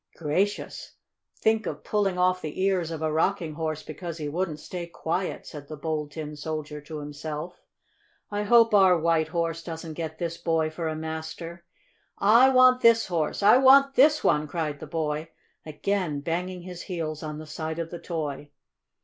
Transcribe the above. "Gracious! Think of pulling off the ears of a rocking horse because he wouldn't stay quiet!" said the Bold Tin Soldier to himself. "I hope our White Horse doesn't get this boy for a master." "I want this Horse! I want this one!" cried the boy, again banging his heels on the side of the toy.